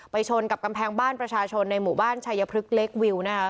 ชนกับกำแพงบ้านประชาชนในหมู่บ้านชายพลึกเล็กวิวนะคะ